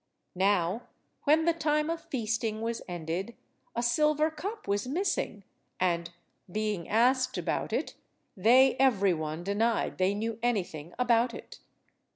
Now, when the time of feasting was ended, a silver cup was missing, and, being asked about it, they every one denied they knew anything about it.